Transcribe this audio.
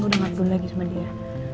aku udah gak perlu lagi sama dia